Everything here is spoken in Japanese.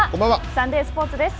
サンデースポーツです。